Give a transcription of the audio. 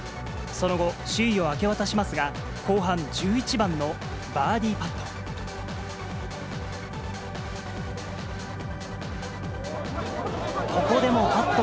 その後、首位を明け渡しますが、後半１１番のバーディーパット。